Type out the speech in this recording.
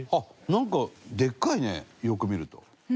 なんか、でっかいねよく見ると。